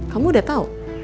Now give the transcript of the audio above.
kamu udah tahu